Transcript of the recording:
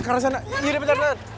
ke arah sana nggak ada co